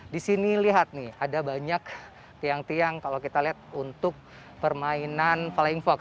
di sini lihat nih ada banyak tiang tiang kalau kita lihat untuk permainan flying fox